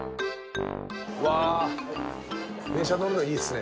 うわー電車乗るのいいですね。